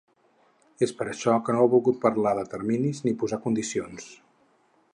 És per això que no ha volgut parlar de terminis ni posar condicions.